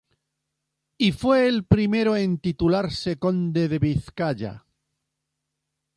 Y fue el primero en titularse Conde de Vizcaya.